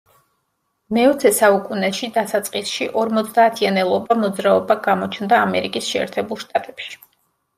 მეოცე საუკუნეში დასაწყისში, ორმოცდაათიანელობა მოძრაობა გამოჩნდა ამერიკის შეერთებულ შტატებში.